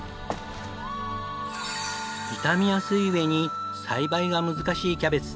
傷みやすい上に栽培が難しいキャベツ。